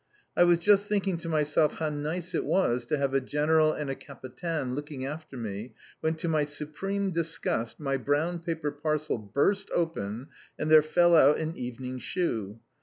I was just thinking to myself how nice it was to have a General and a Capitaine looking after me, when, to my supreme disgust, my brown paper parcel burst open, and there fell out an evening shoe.